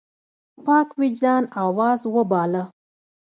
پاک وجدان آواز وباله.